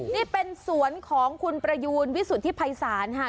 นี่เป็นสวนของคุณประยูนวิสุทธิภัยศาลค่ะ